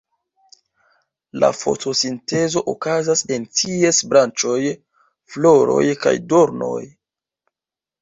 La fotosintezo okazas en ties branĉoj, floroj kaj dornoj.